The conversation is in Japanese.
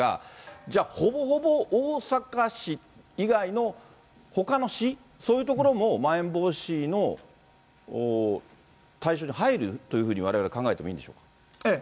じゃあ、ほぼほぼ大阪市以外のほかの市、そういう所もまん延防止の対象に入るというふうにわれわれ考えてええ。